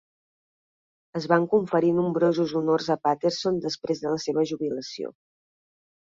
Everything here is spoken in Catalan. Es van conferir nombrosos honors a Patterson després de la seva jubilació.